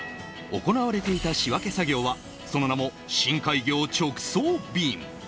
行われていた仕分け作業は、その名も、深海魚直送便。